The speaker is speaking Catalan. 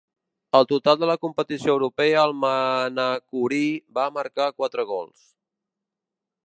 Al total de la competició europea el manacorí va marcar quatre gols.